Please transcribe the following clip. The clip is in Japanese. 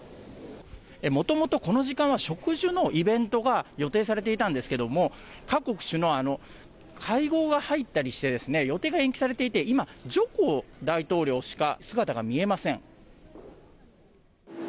もともとこの時間は植樹のイベントが予定されていたんですけれども、各国首脳、会合が入ったりしてですね、予定が延期されていて、今、ジョコ大統領しか姿が見えません。